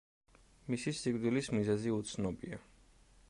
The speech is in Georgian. მისი სიკვდილის მიზეზი უცნობია.